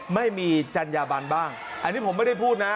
ไม่มีจัญญาบันบ้างอันนี้ผมไม่ได้พูดนะ